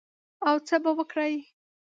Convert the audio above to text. او څه به وکړې؟